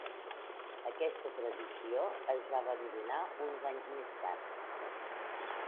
Aquesta tradició es va abandonar uns anys més tard.